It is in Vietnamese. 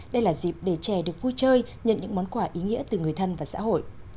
đây là dịp để trẻ được vui chơi nhận những món quà ý nghĩa từ người thân và xã hội